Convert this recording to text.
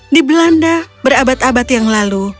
di belanda berabad abad yang lalu